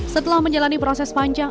setelah menjalani proses panjang